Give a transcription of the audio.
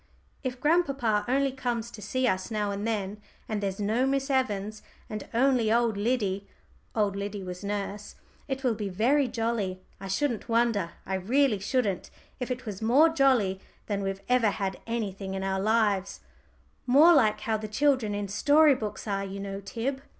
"If grandpapa only comes to see us now and then, and there's no Miss Evans, and only old Liddy" old Liddy was nurse "it will be very jolly. I shouldn't wonder I really shouldn't if it was more jolly than we've ever had anything in our lives more like how the children in story books are, you know, Tib."